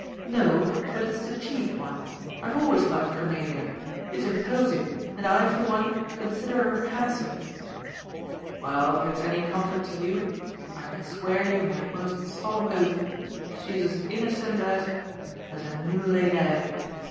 " No, but it is the chief one. I have always liked Cor nelia. She is imposing, and I, for one, consider her hand some." " Well, if it's any comfort to you, I can swear you my most solemn oath, she's as innocent as — as a new laid egg.